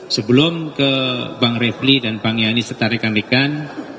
sebelum ke bang refli dan bang yani serta rekan rekan